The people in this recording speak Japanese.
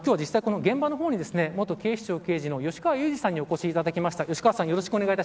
今日は実際、現場の方に元警視庁刑事の吉川祐二さんにお越しいただきました。